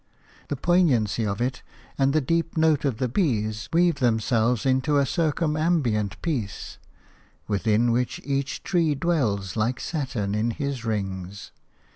The poignancy of it and the deep note of the bees weave themselves into a circumambient peace, within which each tree dwells like Saturn in his rings.